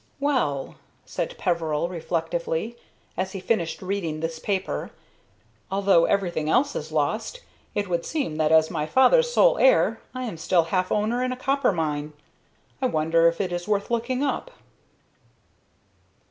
"Well," said Peveril, reflectively, as he finished reading this paper, "although everything else is lost, it would seem that as my father's sole heir I am still half owner in a copper mine. I wonder if it is worth looking up?"